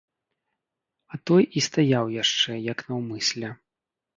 А той і стаяў яшчэ, як наўмысля.